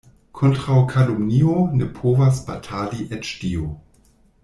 Kontraŭ kalumnio ne povas batali eĉ Dio.